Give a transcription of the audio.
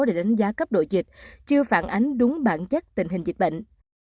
để đánh giá cấp độ dịch chưa phản ánh đúng bản chất tình hình dịch bệnh